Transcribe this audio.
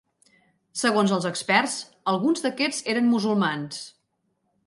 Segons els experts, alguns d'aquests eren musulmans.